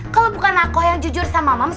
kalo bukan aku yang jujur sama moms